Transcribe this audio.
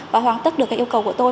và hoàn tất được cái yêu cầu của tôi